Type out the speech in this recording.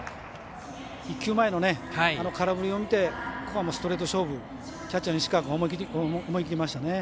１球前の空振りを見てストレート勝負、キャッチャーも思い切りましたね。